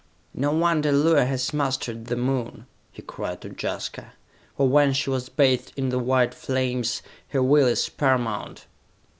"No wonder Luar has mastered the Moon!" he cried to Jaska. "For when she was bathed in the white flames, her will is paramount!"